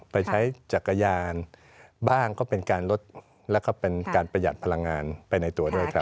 ไปใช้จักรยานบ้างก็เป็นการลดแล้วก็เป็นการประหยัดพลังงานไปในตัวด้วยครับ